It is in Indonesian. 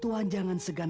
tuhan yang menjaga kita